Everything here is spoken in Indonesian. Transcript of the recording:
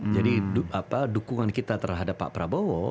jadi dukungan kita terhadap pak prabowo